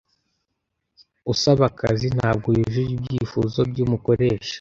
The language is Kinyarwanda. Usaba akazi ntabwo yujuje ibyifuzo byumukoresha.